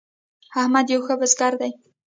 احمد یو ښه بزګر دی.